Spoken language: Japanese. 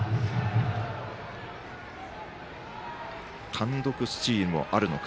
単独スチールもあるのか。